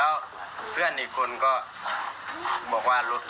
อ๋อแล้วส่วนน้องผู้ชายเห็นเอกราชอย่างไรบ้างลูก